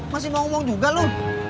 masih gak ngomong juga lu